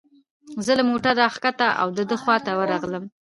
زه له موټره را کښته او د ده خواته ورغلم.